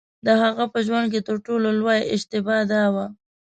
د هغه په ژوند کې تر ټولو لویه اشتباه دا وه.